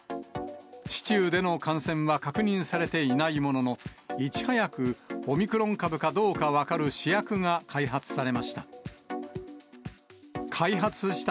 市中での感染は確認されていないものの、いち早くオミクロン株かどうか分かる試薬が開発されました。